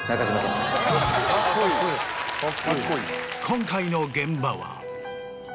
今回の現場は。